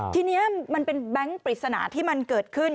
ทีนี้มันเป็นแบงค์ปริศนาที่มันเกิดขึ้น